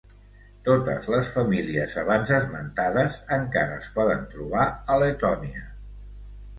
Totes les famílies abans esmentades encara es poden trobar a Letònia.